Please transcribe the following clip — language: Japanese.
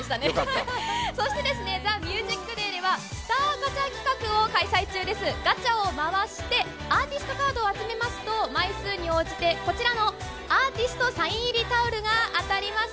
そして、ＴＨＥＭＵＳＩＣＤＡＹでは、スターガチャ企画をガチャを回して、アーティストカードを集めますと、枚数に応じてこちらのアーティストサイン入りタオルが当たります。